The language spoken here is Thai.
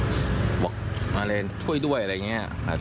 เขาบอกว่ามาเล่นช่วยด้วยอะไรอย่างนี้